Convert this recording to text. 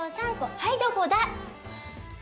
はいどこだ？